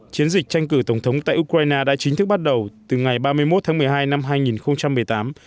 chiến dịch tranh cử tổng thống tại ukraine đã chính thức bắt đầu từ ngày ba mươi một tháng một mươi hai năm hai nghìn một mươi tám